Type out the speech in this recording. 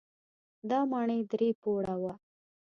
دا ماڼۍ درې پوړه وه.